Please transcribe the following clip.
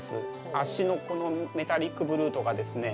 脚のこのメタリックブルーとかですね